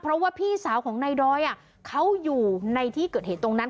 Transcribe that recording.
เพราะว่าพี่สาวของนายดอยเขาอยู่ในที่เกิดเหตุตรงนั้น